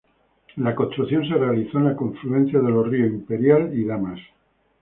La construcción se realizó en la confluencia de los ríos Imperial y Damas.